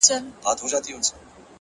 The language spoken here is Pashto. ریښتینی ځواک د ځان کنټرول دی.